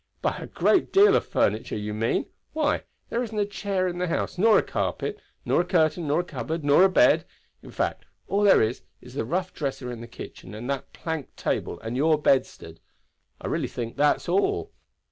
"By a great deal of furniture, you mean. Why, there isn't a chair in the house, nor a carpet, nor a curtain, nor a cupboard, nor a bed; in fact all there is is the rough dresser in the kitchen and that plank table, and your bedstead. I really think that's all.